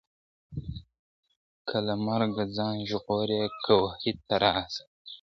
که له مرګه ځان ژغورې کوهي ته راسه `